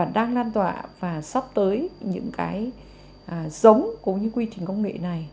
đang lan tỏa và sắp tới những giống của những quy trình công nghệ này